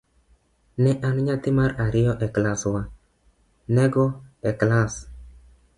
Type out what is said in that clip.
Ne an nyathi mar ariyo e klaswa, ne - go e klas.